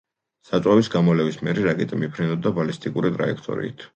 საწვავის გამოლევის მერე რაკეტა მიფრინავდა ბალისტიკური ტრაექტორიით.